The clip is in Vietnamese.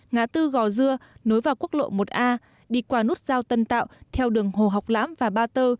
ngã tư gò dưa nối vào quốc lộ một a đi qua nút giao tân tạo theo đường hồ học lãm và ba tơ